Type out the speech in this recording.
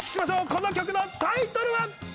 この曲のタイトルは？